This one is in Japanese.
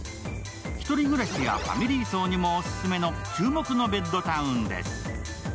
ひとり暮らしやファミリー層にもオススメの注目のベッドタウンです。